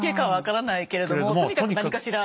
とにかく何かしら。